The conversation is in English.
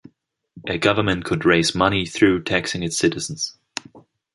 A government could raise money through taxing its citizens.